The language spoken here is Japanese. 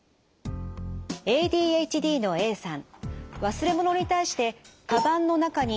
ＡＤＨＤのＡさん